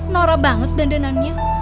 nora banget dandanannya